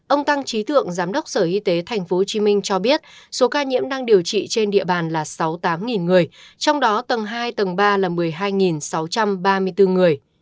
ông tăng trí thượng giám đốc sở y tế tp hcm cho biết số ca nhiễm đang điều trị trên địa bàn là sáu mươi tám người trong đó tầng hai tầng ba là một mươi hai sáu trăm ba mươi bốn người